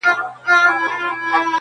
ادبي نړۍ کي نوم لري تل,